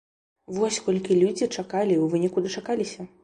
Вось колькі людзі чакалі і ў выніку дачакаліся!